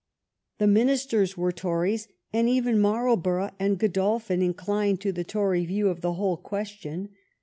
The ministers were Tories, and even Marl borough and Godolphin inclined to the Tory view of the whole question.